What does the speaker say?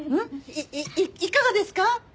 いいかがですか？